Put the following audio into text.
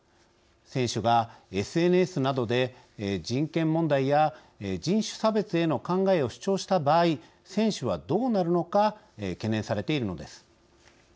選手がＳＮＳなどで人権問題や人種差別への考えを主張した場合選手はどうなるのか懸念されているのです。